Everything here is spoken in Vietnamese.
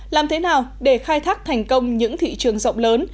làm thế nào để khai thác thành công những thị trường rộng lớn